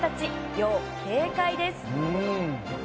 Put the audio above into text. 要警戒です！